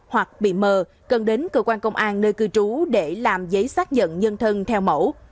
hoặc bị mờ cần đến cơ quan công an nơi cư trú để làm giấy xác nhận nhân thân theo mẫu